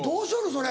それ。